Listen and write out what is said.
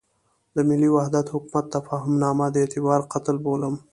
د ملي وحدت حکومت تفاهمنامه د اعتبار قتل بولم.